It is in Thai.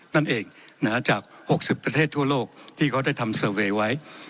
นั่นเองจาก๖๐ประเทศทั่วโลกที่เขาได้ทำเซอร์เวย์ไว้